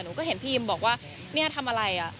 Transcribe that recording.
หนูก็เห็นพี่อิมบอกว่าเนี่ยทำอะไรอ่ะ